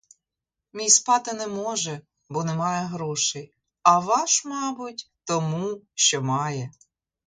Мій спати не може, бо не має грошей, а ваш, мабуть, тому, що має.